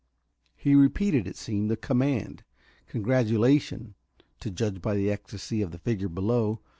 He repeated, it seemed, a command, congratulation, to judge by the ecstasy of the figure below.